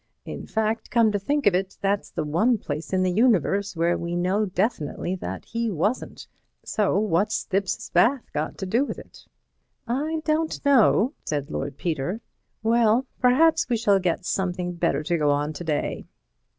In fact, come to think of it, that's the one place in the universe where we know definitely that he wasn't. So what's Thipps's bath got to do with it?" "I don't know," said Lord Peter. "Well, perhaps we shall get something better to go on today."